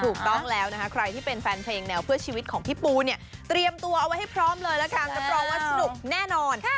ถูกต้องแล้วนะคะใครที่เป็นแฟนเพลงแนวเพื่อชีวิตของพี่ปูเนี่ยเตรียมตัวเอาไว้ให้พร้อมเลยละกันรับรองว่าสนุกแน่นอน